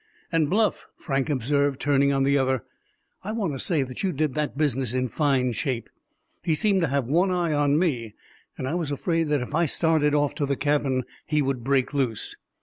"And, Bluff," Frank observed, turning on the other, "I want to say that you did that business in fine shape. He seemed to have one eye on me, and I was afraid that if I started off to the cabin he would break loose."